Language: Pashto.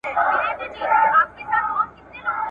ستا چي خټه انګریزۍ ،خښته کږه ده